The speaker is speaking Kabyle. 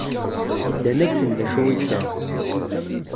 Ddan akken d acu i ddan.